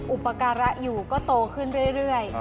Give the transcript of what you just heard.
อุปการะอยู่ก็โตขึ้นเรื่อย